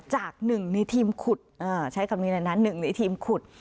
จากหนึ่งในทีมขุดใช้คำนี้เลยนะหนึ่งในทีมขุด